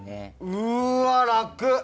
うーわ、楽。